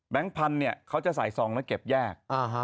แบงค์พันเนี่ยเขาจะใส่ซองแล้วเก็บแยก